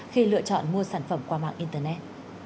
khi lựa chọn mua sản phẩm qua mạng internet